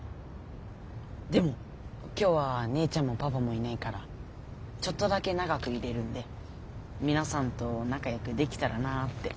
でも今日は姉ちゃんもパパもいないからちょっとだけ長くいれるんで皆さんと仲よくできたらなあって。